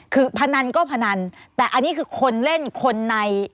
คือพนันก็พนันแต่อันนี้คือคนเล่นคนใน